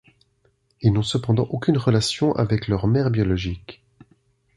Ils n'ont cependant aucune relation avec leur mère biologique.